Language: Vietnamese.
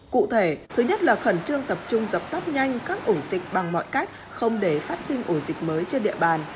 cụ thể thứ nhất là khẩn trương tập trung dập tóc nhanh các ổ dịch bằng mọi cách không để phát sinh ổ dịch mới trên địa bàn